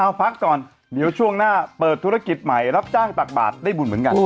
เอาพักก่อนเดี๋ยวช่วงหน้าเปิดธุรกิจใหม่รับจ้างตักบาทได้บุญเหมือนกัน